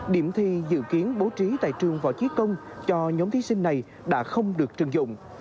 điểm thi dự kiến bố trí tại trường võ trí công cho nhóm thí sinh này đã không được trừng dụng